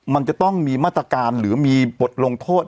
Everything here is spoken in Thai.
มันจะต้องมีมาตรการหรือมีบทลงโทษ